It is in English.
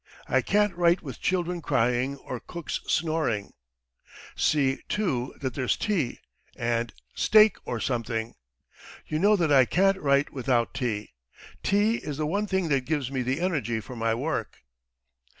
I can't write with children crying or cooks snoring. ... See, too, that there's tea and ... steak or something. ... You know that I can't write without tea. ... Tea is the one thing that gives me the energy for my work."